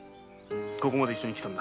ここまで一緒に来たのだ。